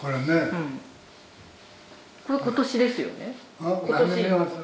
これ今年ですよね？